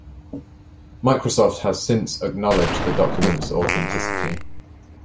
Microsoft has since acknowledged the documents' authenticity.